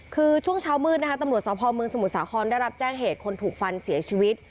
คือช่วงเช้ามืดนะคะตำรวจสพเมืองสมุทรสาครได้รับแจ้งเหตุคนถูกฟันเสียชีวิต